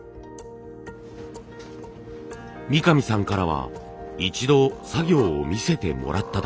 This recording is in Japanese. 三上さんからは一度作業を見せてもらっただけ。